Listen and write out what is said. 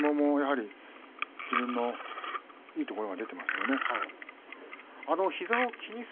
自分のいいところが出ていると思います。